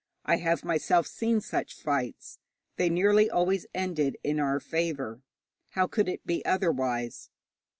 I have myself seen such fights. They nearly always ended in our favour how could it be otherwise?